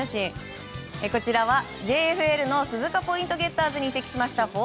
こちらはＪＦＬの鈴鹿ポイントゲッターズに移籍しました